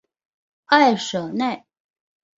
埃舍奈。